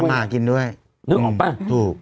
มาหากินด้วยนึกออกป่ะถูก